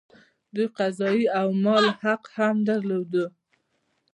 دوی قضايي او د مال حق هم درلود.